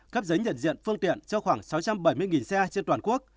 cấp giấy nhận diện phương tiện cho khoảng sáu trăm bảy mươi xe trên toàn quốc